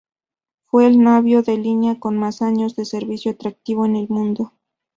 Fue el navío de línea con más años de servicio activo en el mundo.